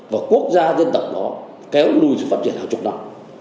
và quốc gia dân tộc đó kéo lùi sự phát triển hàng chục năm